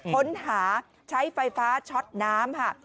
ค้นหาใช้ไฟฟ้าช็อตน้ำค่ะ